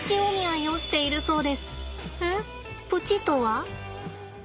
プチとは？